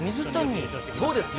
そうですよ。